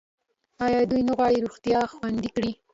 آیا دوی نه غواړي روغتیا خوندي کړي؟